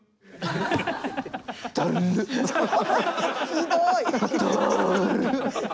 ひどい。